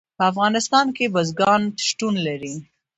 په افغانستان کې بزګان شتون لري.